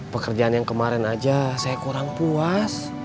pekerjaan yang kemarin aja saya kurang puas